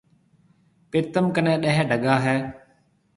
پرتم ڪني ڏيه ڊگا هيَ۔